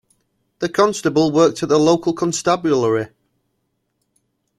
The constable worked at the local constabulary.